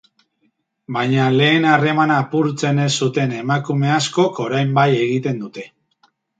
Baina lehen harremana apurtzen ez zuten emakume askok orain bai egiten dute.